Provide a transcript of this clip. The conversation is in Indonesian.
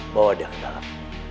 bawa dia ke dalam